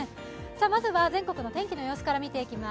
まずは全国の天気の様子から見ていきます。